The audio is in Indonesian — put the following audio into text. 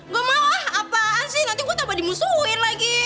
gue mau apaan sih nanti gue tambah dimusuhin lagi